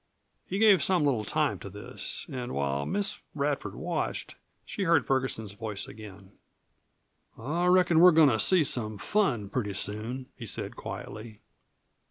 He gave some little time to this, and while Miss Radford watched she heard Ferguson's voice again. "I reckon we're goin' to see some fun pretty soon," he said quietly.